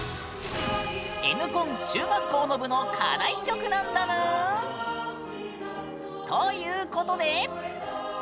「Ｎコン」中学校の部の課題曲なんだぬーん！ということで。